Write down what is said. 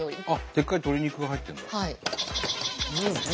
でっかい鶏肉が入ってるんだ。